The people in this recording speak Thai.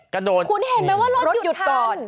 คุณเห็นไหมว่ารถหยุดทัน